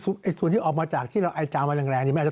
อ๋อคือส่วนที่ออกมาจากที่เราไอจาวมาแรง